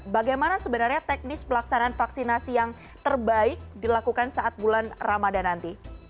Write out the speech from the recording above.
bagaimana sebenarnya teknis pelaksanaan vaksinasi yang terbaik dilakukan saat bulan ramadan nanti